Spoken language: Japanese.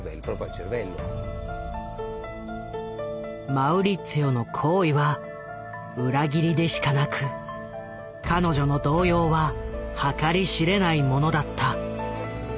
マウリッツィオの行為は裏切りでしかなく彼女の動揺は計り知れないものだった。